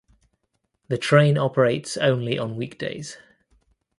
The train operates only on weekdays.